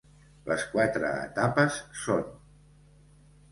Les quatre etapes són: